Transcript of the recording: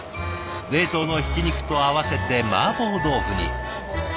冷凍のひき肉と合わせてマーボー豆腐に。